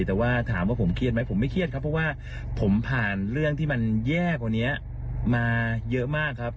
แต่ว่าถามว่าผมเครียดไหมผมไม่เครียดครับเพราะว่าผมผ่านเรื่องที่มันแย่กว่านี้มาเยอะมากครับ